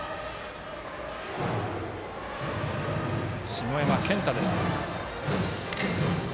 下山健太です。